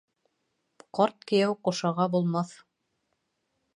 Ҡарт кейәү ҡушаға булмаҫ.